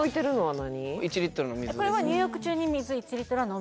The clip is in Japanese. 何？